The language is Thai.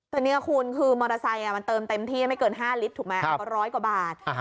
ตัวเนี้ยคุณคือมอเติมเต็มที่ไม่เกินห้าลิตรถูกไหมครับร้อยกว่าบาทอ่าฮะ